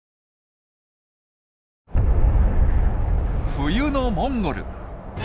冬のモンゴル。